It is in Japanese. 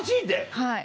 はい。